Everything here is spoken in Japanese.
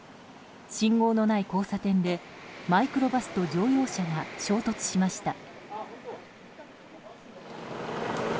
信号のない交差点でマイクロバスと乗用車が衝突しました。